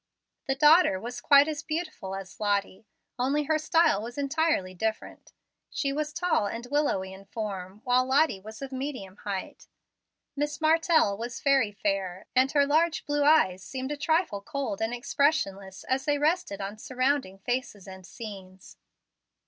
The daughter was quite as beautiful as Lottie, only her style was entirely different. She was tall and willowy in form, while Lottie was of medium height. Miss Martell was very fair, and her large blue eyes seemed a trifle cold and expressionless as they rested on surrounding faces and scenes.